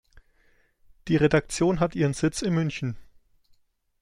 Die Redaktion hat ihren Sitz in München.